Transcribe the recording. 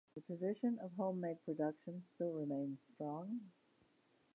The tradition of homemade production still remains strong.